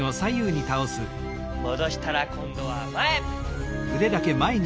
もどしたらこんどはまえ。